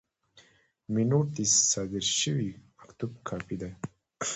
مینوټ د صادر شوي مکتوب کاپي ده.